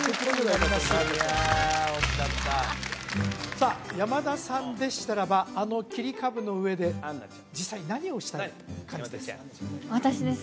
いや惜しかったさあ山田さんでしたらばあの切り株の上で実際何をしたい感じですか？